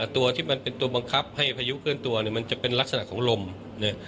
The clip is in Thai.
ตัวที่มันเป็นตัวบังคับให้พายุเคลื่อนตัวเนี่ยมันจะเป็นลักษณะของลมเนี่ย